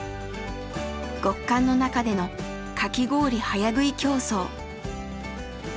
極寒の中での「かき氷早食い競争」。